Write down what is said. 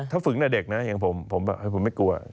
ถ้าฝึกแต่เด็กนะอย่างผมผมไม่กลัว